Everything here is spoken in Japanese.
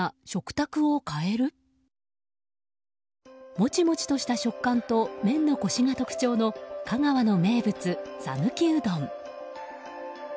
もちもちとした食感と麺のコシが特徴の香川の名物、讃岐うどん。